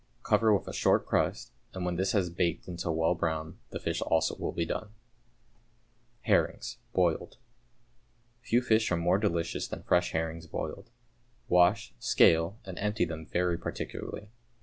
Cover with a "short" crust, and when this has baked until well brown, the fish also will be done. =Herrings, Boiled.= Few fish are more delicious than fresh herrings boiled. Wash, scale, and empty them very particularly.